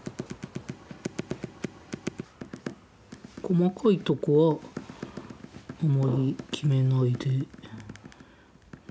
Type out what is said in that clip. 細かいとこはあまり決めないで。